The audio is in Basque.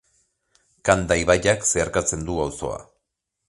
Kanda ibaiak zeharkatzen du auzoa.